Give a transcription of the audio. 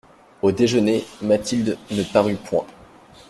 Au déjeuner, Mathilde ne parut point.